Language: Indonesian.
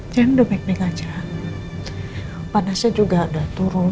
dia udah baik baik aja panasnya juga udah turun